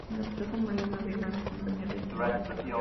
En la presa, María navega en compañía de su novio.